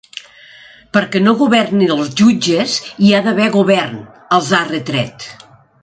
Perquè no governin els jutges hi ha d’haver govern, els ha retret.